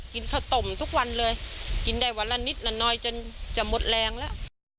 กินข้าวต้มทุกวันเลยกินได้วันละนิดละน้อยจนจะหมดแรงแล้ว